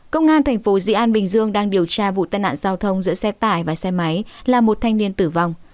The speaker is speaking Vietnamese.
công an thành phố dị an bình dương đang điều tra vụ tai nạn giao thông giữa xe tải và xe máy là một thanh niên tử vong